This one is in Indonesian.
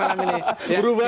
berubah semua ya pak jokowi